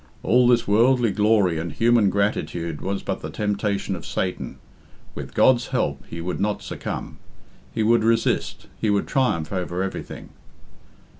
All this worldly glory and human gratitude was but the temptation of Satan. With God's help he would not succumb. He would resist. He would triumph over everything.